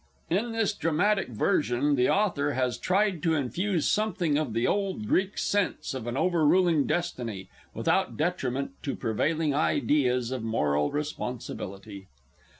In this dramatic version the Author has tried to infuse something of the old Greek sense of an overruling destiny, without detriment to prevailing ideas of moral responsibility.